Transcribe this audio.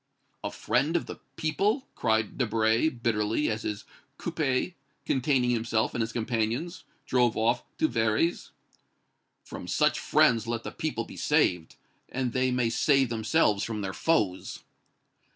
"A friend of the people!" cried Debray, bitterly, as his coupé, containing himself and companions, drove off to Véry's. "From such friends let the people be saved, and they may save themselves from their foes."